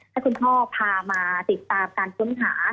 ให้คุณพ่อพามาติดตามการค้นหา